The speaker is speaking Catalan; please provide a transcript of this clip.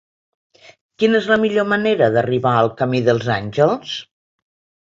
Quina és la millor manera d'arribar al camí dels Àngels?